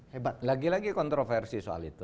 hebat lagi lagi kontroversi soal itu